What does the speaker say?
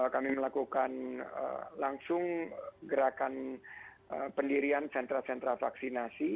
kami melakukan langsung gerakan pendirian sentra sentra vaksinasi